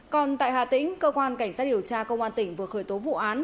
còn tại hà tĩnh cơ quan cảnh sát điều tra công an tỉnh vừa khởi tố vụ án